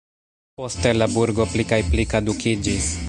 Poste la burgo pli kaj pli kadukiĝis.